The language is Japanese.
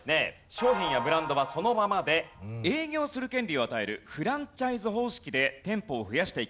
商品やブランドはそのままで営業する権利を与えるフランチャイズ方式で店舗を増やしていきました。